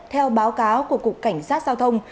theo báo cáo của cục cảnh sát giao thông